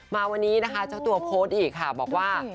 มาวันนี้นะคะเจ้าตัวโพสต์อีกค่ะบอกว่า